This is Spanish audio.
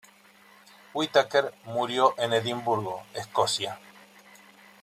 Whittaker murió en Edimburgo, Escocia.